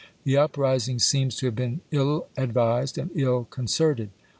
The upris ing seems to have been iU advised and ill concerted.